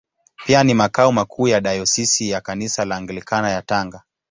Pia ni makao makuu ya Dayosisi ya Kanisa la Anglikana ya Tanga.